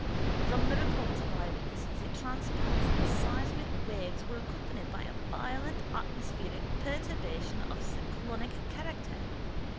From the reports of eyewitnesses it transpires that the seismic waves were accompanied by a violent atmospheric perturbation of cyclonic character.